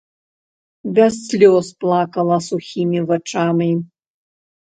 Без слёз плакала сухімі вачамі.